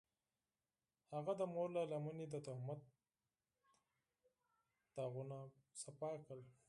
هغه د مور له لمنې د تهمت داغونه پاک کړل.